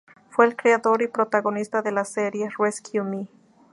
Fue el creador y protagonista de la serie "Rescue Me".